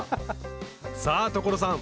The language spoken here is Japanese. さぁ所さん！